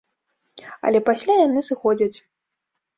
Але пасля яны сыходзяць.